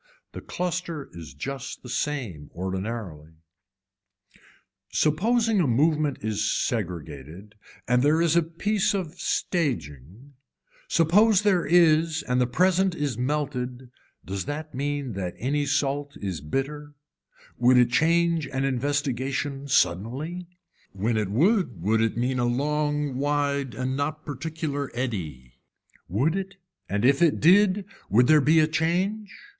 The cluster is just the same ordinarily. Supposing a movement is segregated and there is a piece of staging, suppose there is and the present is melted does that mean that any salt is bitter, would it change an investigation suddenly, when it would would it mean a long wide and not particular eddy. Would it and if it did would there be a change.